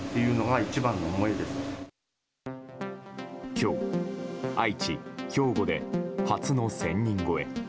今日、愛知、兵庫で初の１０００人超え。